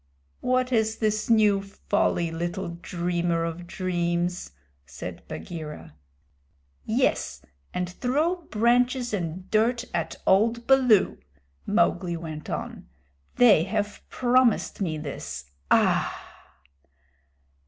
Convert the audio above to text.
"What is this new folly, little dreamer of dreams?" said Bagheera. "Yes, and throw branches and dirt at old Baloo," Mowgli went on. "They have promised me this. Ah!"